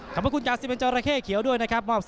ขอบคุณจากซิเมนจอราเข้เขียวด้วยนะครับ